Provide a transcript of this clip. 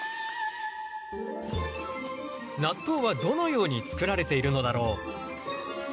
納豆はどのように作られているのだろう。